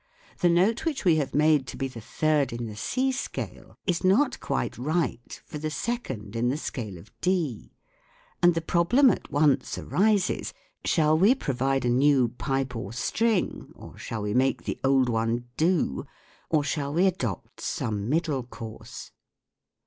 The note which we have made to be the third in the C scale is not quite right for the second in the scale of D ; and the problem at once arises, shall we provide a new pipe or string, or shall we make the old one do, or shall we adopt some middle course